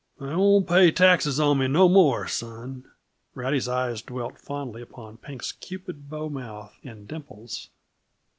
"They won't pay taxes on me no more, son." Rowdy's eyes dwelt fondly upon Pink's cupid bow mouth and dimples.